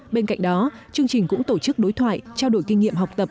bên cạnh đó chương trình cũng tổ chức đối thoại trao đổi kinh nghiệm học tập